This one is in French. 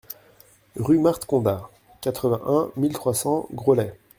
Rue Marthe Condat, quatre-vingt-un mille trois cents Graulhet